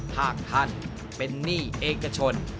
หากท่านเป็นหนี้เอกชน